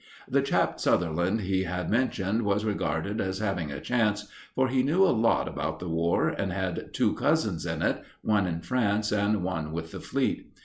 The chap Sutherland he had mentioned was regarded as having a chance, for he knew a lot about the War, and had two cousins in it, one in France and one with the Fleet.